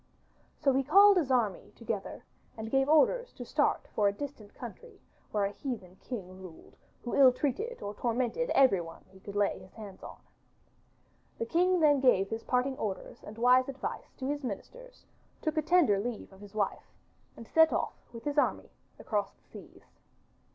So he called his army together and gave orders to start for a distant country where a heathen king ruled who ill treated or tormented everyone he could lay his hands on. The king then gave his parting orders and wise advice to his ministers, took a tender leave of his wife, and set off with his army across the seas.